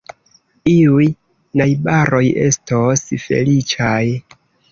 Iuj najbaroj estos feliĉaj.